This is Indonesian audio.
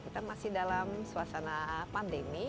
kita masih dalam suasana pandemi